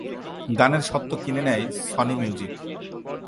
গানের স্বত্ব কিনে নেয় সনি মিউজিক।